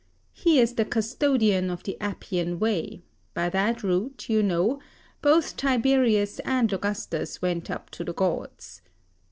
He is the custodian of the Appian Way; by that route, you know, both Tiberius and Augustus went up to the gods.